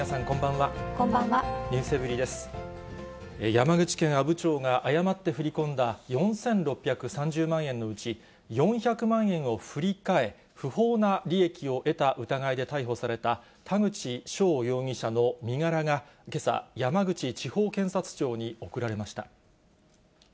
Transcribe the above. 山口県阿武町が誤って振り込んだ４６３０万円のうち、４００万円を振り替え、不法な利益を得た疑いで逮捕された田口翔容疑者の身柄がけさ、山口地方検察庁に送られました。